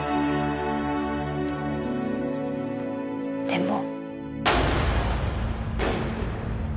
でも。